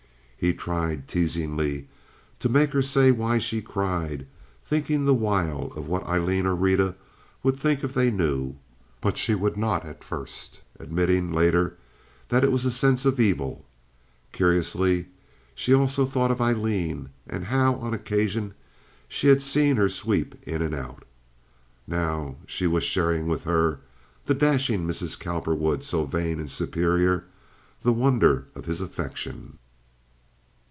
He tried teasingly to make her say why she cried, thinking the while of what Aileen or Rita would think if they knew, but she would not at first—admitting later that it was a sense of evil. Curiously she also thought of Aileen, and how, on occasion, she had seen her sweep in and out. Now she was sharing with her (the dashing Mrs. Cowperwood, so vain and superior) the wonder of his affection.